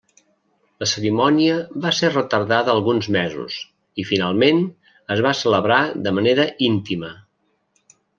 La cerimònia va ser retardada alguns mesos i finalment es va celebrar de manera íntima.